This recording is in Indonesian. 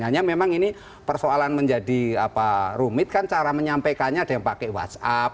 hanya memang ini persoalan menjadi rumit kan cara menyampaikannya ada yang pakai whatsapp